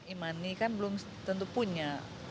ini kan belum tentu punya